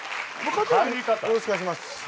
よろしくお願いします。